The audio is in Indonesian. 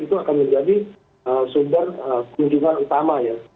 itu akan menjadi sumber kunjungan utama ya